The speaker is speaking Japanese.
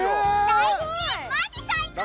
大吉マジ最高！